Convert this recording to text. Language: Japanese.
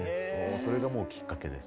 それがもうきっかけです。